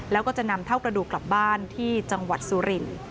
แล้วก็จะนำเท่ากระดูกกลับบ้านที่จังหวัดสุรินทร์